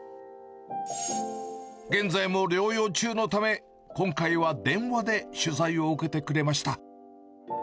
現在も療養中のため、今回は電話で取材を受けてくれました。